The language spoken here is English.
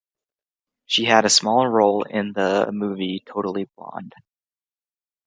She had a small role in the movie "Totally Blonde".